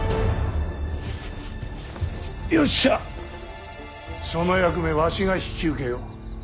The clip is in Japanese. よっしゃその役目わしが引き受けよう。